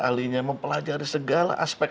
ahlinya mempelajari segala aspek